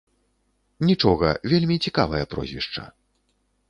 Нічога, вельмі цікавае прозвішча.